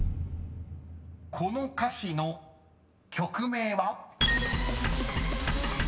［この歌詞の曲名は？］